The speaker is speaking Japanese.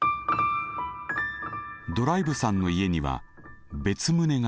ドライブさんの家には別棟があります。